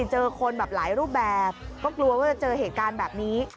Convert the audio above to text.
เจอคนแบบหลายรูปแบบก็กลัวว่าจะเจอเหตุการณ์แบบนี้